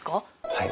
はい。